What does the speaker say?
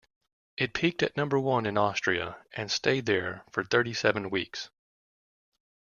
It peaked at number one in Austria, and stayed in there for thirty-seven weeks.